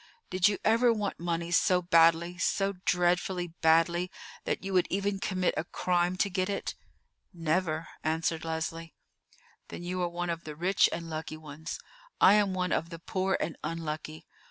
Did you ever want money so badly, so dreadfully badly, that you would even commit a crime to get it?" "Never," answered Leslie. "Then you are one of the rich and lucky ones: I am one of the poor and unlucky.